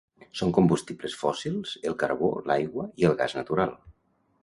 Són combustibles fòssils el carbó, l'aigua i el gas natural.